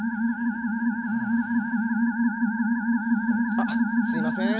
あっすいません。